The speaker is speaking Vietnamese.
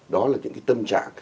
đó là những tâm trạng